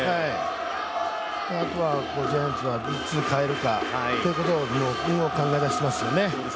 あとはジャイアンツが代えるかっていうところを考え出しますよね。